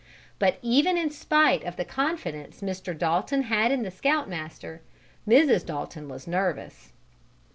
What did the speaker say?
But, even in spite of the confidence Mr. Dalton had in the scout master, Mrs. Dalton was nervous.